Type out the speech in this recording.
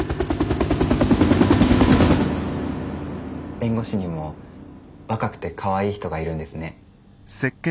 弁護士にも若くてかわいい人がいるんですね。